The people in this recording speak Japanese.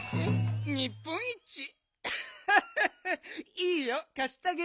いいよかしたげる。